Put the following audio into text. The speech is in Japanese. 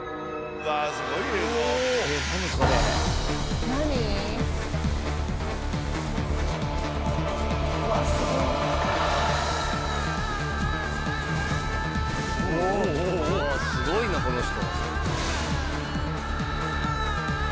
うわすごいなこの人。